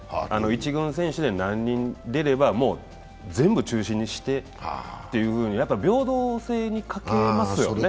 １軍選手で何人出れば全部中止にしてというふうに、平等性に欠けますよね。